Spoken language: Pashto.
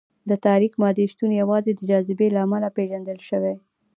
د تاریک مادې شتون یوازې د جاذبې له امله پېژندل شوی.